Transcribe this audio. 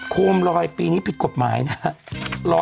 โคมลอยปีนี้ผิดกฎหมายนะครับ